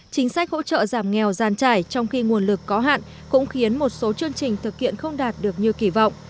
chính sách hỗ trợ giảm nghèo gian trải trong khi nguồn lực có hạn cũng khiến một số chương trình thực hiện không đạt được như kỳ vọng